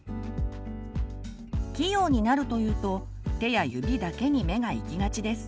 器用になるというと手や指だけに目が行きがちです。